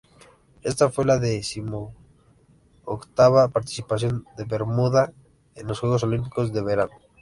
Esta fue la decimoctava participación de Bermuda en los Juegos Olímpicos de verano.